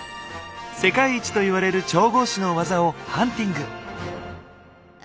世界一といわれる調合師の技をハンティング！